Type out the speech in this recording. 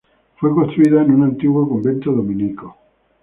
Fue construida en un antiguo convento dominico.